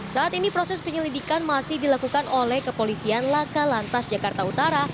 saat ini proses penyelidikan masih dilakukan oleh kepolisian laka lantas jakarta utara